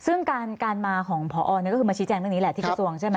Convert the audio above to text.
ซึ่งการมาของพอก็คือมาชี้แจงเรื่องนี้แหละที่กระทรวงใช่ไหม